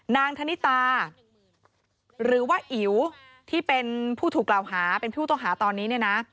นางธนิตาหรือว่าอิวที่เป็นผู้ถูกเหลาหาเป็นผู้ต้องหาตอนนี้